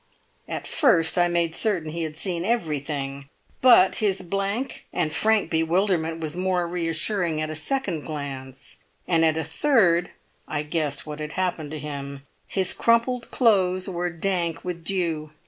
"At first I made certain he had seen everything; but his blank and frank bewilderment was more reassuring at a second glance, and at a third I guessed what had happened to him. His crumpled clothes were dank with dew.